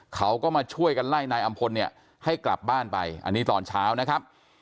เขาก็มาช่วยกันไล่นายอำพลเนี่ยให้กลับบ้านไปอันนี้ตอนเช้านะครับ